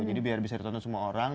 jadi biar bisa ditonton semua orang